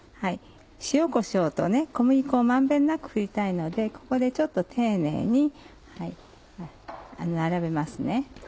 塩こしょうと小麦粉を満遍なく振りたいのでここでちょっと丁寧に並べますね。